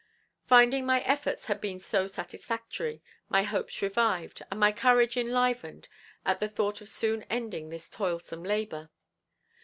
Finding my efforts had been so satisfactory, my hopes revived, and my courage enlivened at the thought of soon ending this toilsome labor.